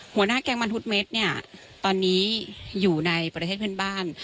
หัวหน้าแก๊งมันทุกเม็ดเนี้ยตอนนี้อยู่ในประเทศเพื่อนบ้าน